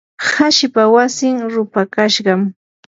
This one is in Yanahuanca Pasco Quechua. hashipa wasin rupakashqam.